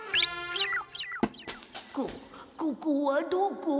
こここはどこ？